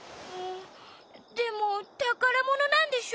でもたからものなんでしょ？